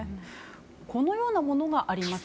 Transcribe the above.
このようなものがあります。